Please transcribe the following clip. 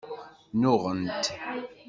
Nnuɣent.